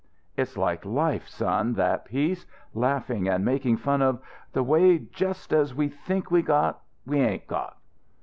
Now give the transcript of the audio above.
"It's like life, son, that piece. Laughing and making fun of the way just as we think we got we ain't got."